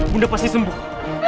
bunda pasti sembuh